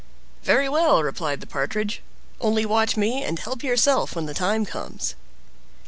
"Very well!" replied the Partridge; "only watch me, and help yourself when the time comes."